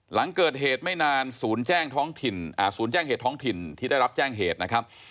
หลังเกิดเหตุไม่นานศูนย์แจ้งศูนย์แจ้งเหตุท้องถิ่นที่ได้รับแจ้งเหตุนะครับ